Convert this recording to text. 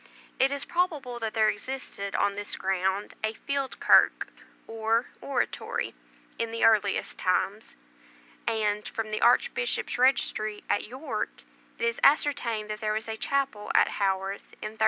It is probable that there existed on this ground, a "field kirk," or oratory, in the earliest times; and, from the Archbishop's registry at York, it is ascertained that there was a chapel at Haworth in 1317.